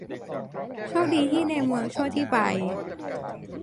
โชคดีที่ในเมืองช่วงที่ไป